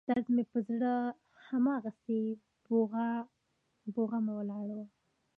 درد مې پر زړه هماغسې بوغمه ولاړ و.